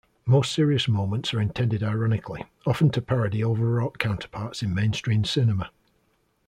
Most serious moments are intended ironically, often to parody overwrought counterparts in mainstream cinema.